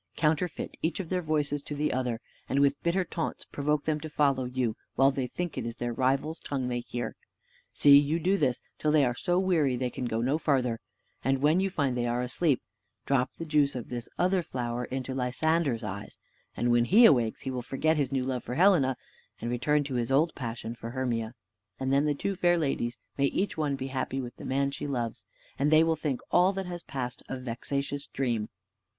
Counterfeit each of their voices to the other, and with bitter taunts provoke them to follow you, while they think it is their rival's tongue they hear. See you do this, till they are so weary they can go no farther; and when you find they are asleep, drop the juice of this other flower into Lysander's eyes, and when he awakes he will forget his new love for Helena, and return to his old passion for Hermia; and then the two fair ladies may each one be happy with the man she loves, and they will think all that has passed a vexatious dream.